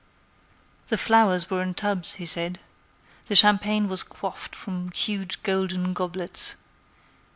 The flowers were in tubs, he said. The champagne was quaffed from huge golden goblets.